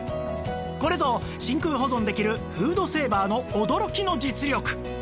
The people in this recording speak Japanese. これぞ真空保存できるフードセーバーの驚きの実力